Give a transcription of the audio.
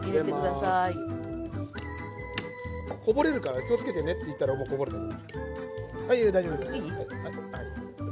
こぼれるから気を付けてねって言ったらもうこぼれた。